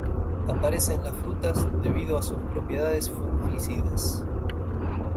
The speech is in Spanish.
Aparece en las frutas debido a sus propiedades fungicidas.